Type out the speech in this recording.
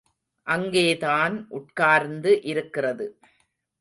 அங்கேதான் உட்கார்ந்து இருக்கிறது.